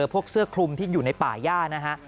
พวกเสื้อคลุมที่อยู่ในป่าย่านะฮะ